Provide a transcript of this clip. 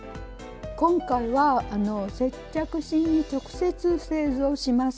今回は接着芯に直接製図をします。